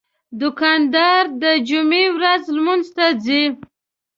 دوکاندار د جمعې ورځ لمونځ ته ځي.